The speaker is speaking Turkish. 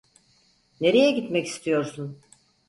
Nereye gitmek istiyorsun ?